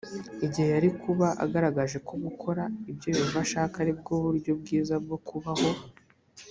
gihe yari kuba agaragaje ko gukora ibyo yehova ashaka ari bwo buryo bwiza bwo kubaho